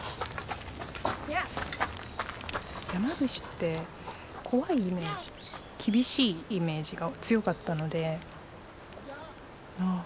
山伏って怖いイメージ厳しいイメージが強かったのでああ